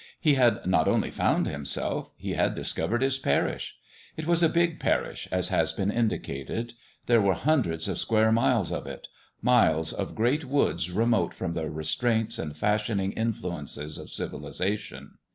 He had not only found himself : he had discovered his parish. It was a big parish, as has been indicated ; there were hundreds of square miles of it miles of great woods remote from the re straints and fashioning influences of civilization.